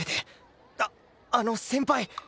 ああの先輩。